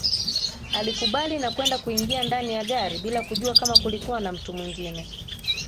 Alikubali na kwenda kuingia ndani ya gari bila kujua kama kulikuwa na mtu mwingine